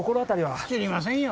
知りませんよ